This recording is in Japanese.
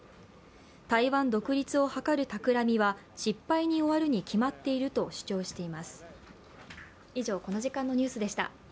台湾独立を図るたくらみは失敗に終わるに決まっていると主張しています。